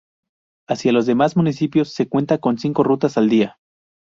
Hacia los demás municipios se cuenta con cinco rutas al día.